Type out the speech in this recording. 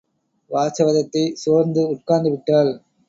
வாசவதத்தை சோர்ந்து உட்கார்ந்துவிட்டாள்.